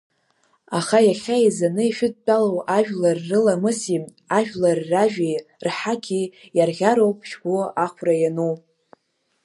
Аха иахьа еизаны ишәыдтәалоу ажәлар рыламыси, ажәлар ражәеи, рҳақи иарӷьароуп шәгәы ахәра иану.